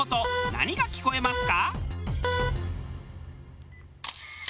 何が聞こえますか？